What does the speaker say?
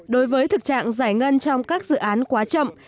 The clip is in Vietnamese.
đối với thực trạng giải ngân trong các dự án quá chậm